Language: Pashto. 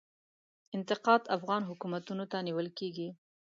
انتقاد افغان حکومتونو ته نیول کیږي.